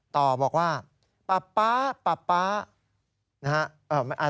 ตอบอกว่าป๊าป๊าป๊าป๊า